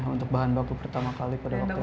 untuk bahan baku pertama kali pada waktu itu